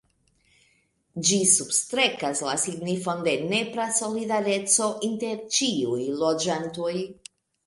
Ĝi substrekas la signifon de nepra solidareco inter ĉiuj loĝantoj.